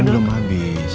ini kan belum habis